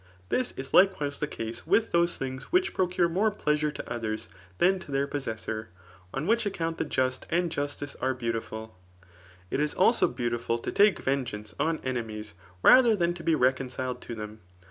This is likewise the case with those things which procure more pleasure to others than to thdr possessor ; on which account the just and justice are beautiful. It is also beautiful to take ven geance on enemies rather than to be reconciled to them.